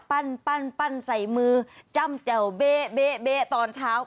ปั้นใส่มือจ้ำแจ่วเบ๊ตอนเช้า